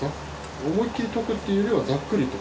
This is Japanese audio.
思いっきり溶くというよりはざっくりと？